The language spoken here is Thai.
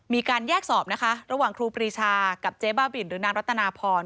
มีการแยกสอบนะคะระหว่างครูปรีชากับเจ๊บ้าบินหรือนางรัตนาพร